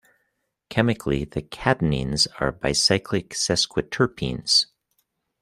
Chemically, the cadinenes are bicyclic sesquiterpenes.